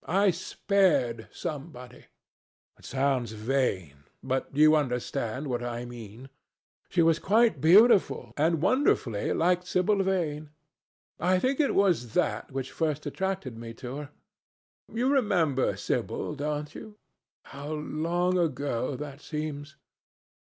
I spared somebody. It sounds vain, but you understand what I mean. She was quite beautiful and wonderfully like Sibyl Vane. I think it was that which first attracted me to her. You remember Sibyl, don't you? How long ago that seems!